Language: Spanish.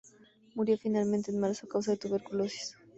Murió finalmente en marzo a causa de la tuberculosis.